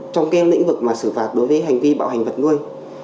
trong kênh lĩnh vực xử phạt đối với hành vi bạo hành vật nuôi